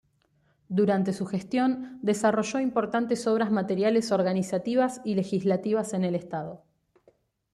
Durante su gestión desarrolló importantes obras materiales organizativas y legislativas en el estado.